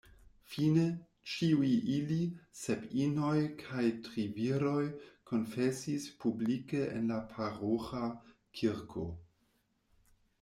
Fine, ĉiuj ili, sep inoj kaj tri viroj, konfesis publike en la paroĥa kirko.